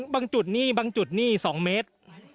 บางจุดนี่บางจุดนี่๒เมตร